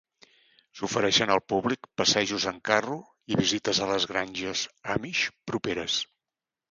S'ofereixen al públic passejos en carro i visites a les granges Amish properes.